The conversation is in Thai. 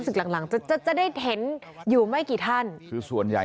หลังหลังจะจะจะได้เห็นอยู่ไม่กี่ท่านคือส่วนใหญ่